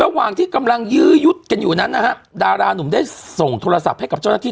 ระหว่างที่กำลังยื้อยุดกันอยู่นั้นนะฮะดารานุ่มได้ส่งโทรศัพท์ให้กับเจ้าหน้าที่